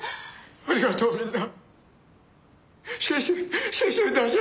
ありがとうみんな。